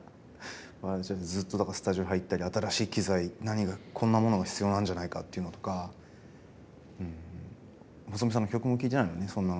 ずっとだからスタジオに入ったり新しい機材何がこんなものが必要なんじゃないかっていうのとか細美さんの曲も聞いてないのにそんなの。